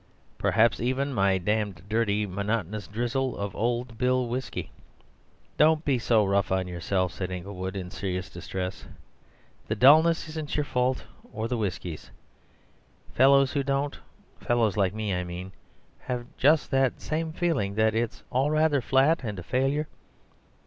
Perhaps even my damned, dirty, monotonous drizzle of Old Bill Whisky—" "Don't be so rough on yourself," said Inglewood, in serious distress. "The dullness isn't your fault or the whisky's. Fellows who don't— fellows like me I mean—have just the same feeling that it's all rather flat and a failure.